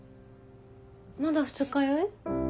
まだ二日酔い？